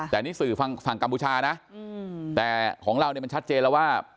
แต่สื่อฝั่งกัมพูชาแต่ของเรามันชัดเจนว่า